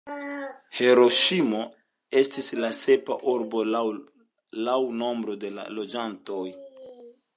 Hiroŝimo estis la sepa urbo laŭ nombro da loĝantoj.